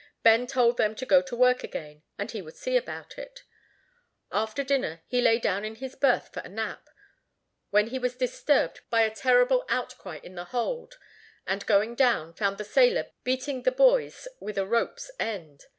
Ben told them to go to work again, and he would see about it. After dinner he lay down in his berth for a nap, when he was disturbed by a terrible outcry in the hold, and, going down, found the sailor beating the boys with a rope's end.